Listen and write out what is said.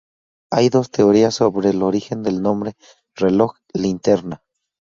Hay dos teorías sobre el origen del nombre 'reloj linterna'.